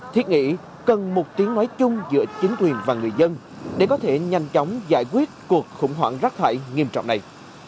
thiết nghĩ cần một tiếng nói chung giữa chính quyền và người dân để có thể nhanh chóng giải quyết cuộc khủng hoảng rác thải nghiêm trọng này